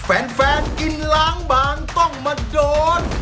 แฟนกินล้างบางต้องมาโดน